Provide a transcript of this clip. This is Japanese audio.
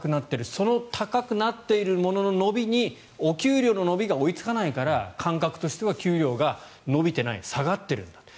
その高くなっているものの伸びにお給料の伸びが追いつかないから感覚としては給料が上がらない下がっているんだと。